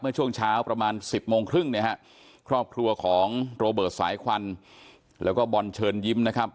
ช่วงเช้าประมาณสิบโมงครึ่งเนี่ยฮะครอบครัวของโรเบิร์ตสายควันแล้วก็บอลเชิญยิ้มนะครับ